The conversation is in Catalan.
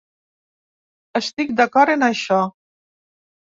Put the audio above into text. Estic d’acord en això.